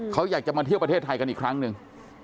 เขาอยากจะมาเที่ยวประเทศไทยกันอีกครั้งหนึ่ง